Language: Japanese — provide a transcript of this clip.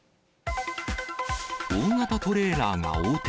大型トレーラーが横転。